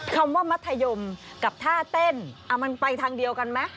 คำว่ามัธยมกับท่าเต้นมันไปทางเดียวกันไหม